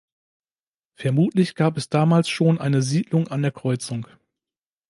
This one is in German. Vermutlich gab es damals schon eine Siedlung an der Kreuzung.